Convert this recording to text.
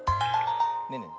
ねえねえ